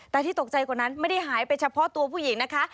แต่ที่ตกใจกว่านั้นไม่ได้หายไปเฉพาะตัวผู้หญิงนะคะ